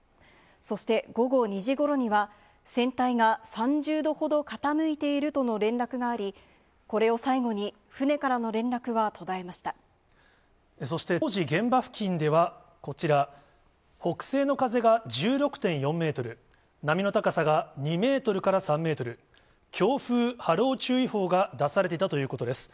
そして午後２時ごろには、船体が３０度ほど傾いているとの連絡があり、これを最後に、そして、当時、現場付近ではこちら、北西の風が１６．４メートル、波の高さが２メートルから３メートル、強風波浪注意報が出されていたということです。